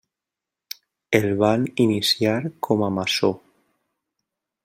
El van iniciar com a maçó.